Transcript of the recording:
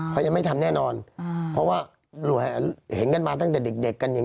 เขายังไม่ทำแน่นอนเพราะว่าเห็นกันมาตั้งแต่เด็กเด็กกันอย่าง